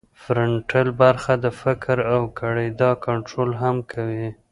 فرنټل برخه د فکر او ګړیدا کنترول هم کوي